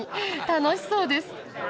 楽しそうです！